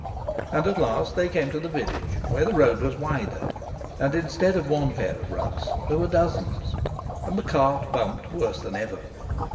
And at last they came to the village, where the road was wider; and instead of one pair of ruts there were dozens, and the cart bumped worse than ever.